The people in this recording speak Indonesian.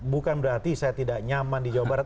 bukan berarti saya tidak nyaman di jawa barat